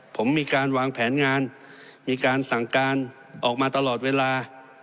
ผมมีการวางแผนงานมีการสั่งการออกมาตลอดเวลา